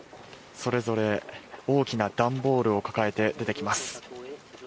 それぞれ大きな段ボールを抱えて出てきます。